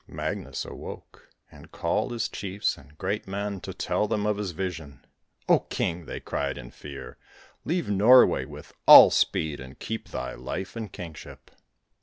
Magnus awoke and called his chiefs and great men to tell them of his vision. 'Oh king,' they cried in fear. 'Leave Norway with all speed, and keep thy life and kingship.'